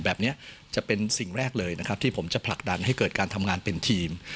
แบบนี้จะเป็นสิ่งแรกเลยนะครับที่ผมจะผลักดันให้เกิดการทำงานเป็นทีม